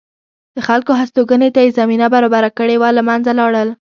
د خلکو هستوګنې ته یې زمینه برابره کړې وه له منځه لاړل